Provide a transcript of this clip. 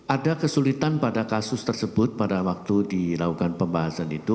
ada kesulitan pada kasus tersebut pada waktu dilakukan pembahasan itu